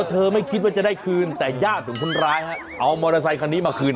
ตอนนี้กำลังประสานให้มามอบตัวอยู่